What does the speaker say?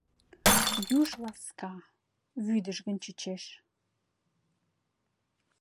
Юж ласка, вӱдыжгын чучеш.